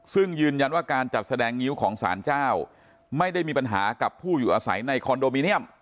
ซึ่งยืนยันว่าการจัดแสดงงิ้วของสารเจ้าไม่ได้มีปัญหากับผู้อยู่อาศัยในคอนโดมิเนียม